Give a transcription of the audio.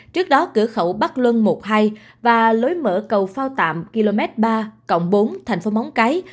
trước đó cửa khẩu bắc luân một hai và lối mở cầu phao tạm km ba cộng bốn thành phố móng cái